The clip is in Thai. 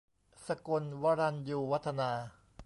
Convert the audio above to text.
สกนธ์ วรัญญูวัฒนา